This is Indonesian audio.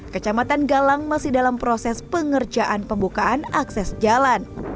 kecamatan galang masih dalam proses pengerjaan pembukaan akses jalan